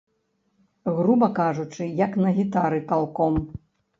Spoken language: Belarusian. Груба кажучы, як на гітары калком.